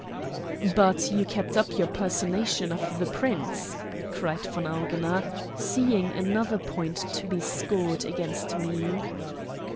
"But you kept up your personation of the Prince," cried von Augener, seeing another point to be scored against me.